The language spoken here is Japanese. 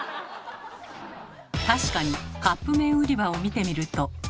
確かにカップ麺売り場を見てみると。